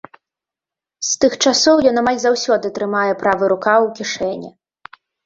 З тых часоў ён амаль заўсёды трымае правы рукаў у кішэні.